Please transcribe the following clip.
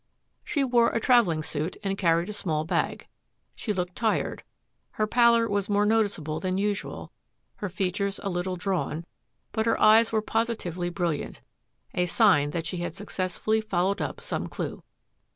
She wore a travelling suit and carried a small bag. She looked tired; her pallor was more noticeable than usual, her features a little drawn, but her eyes were positively brilliant — a sign that she had successfully followed up some clue.